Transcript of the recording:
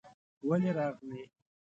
ولې راغلې؟